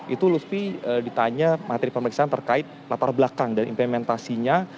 itu lutfi ditanya materi pemeriksaan terkait latar belakang dan implementasinya